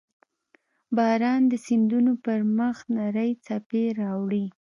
• باران د سیندونو پر مخ نرۍ څپې راوړي.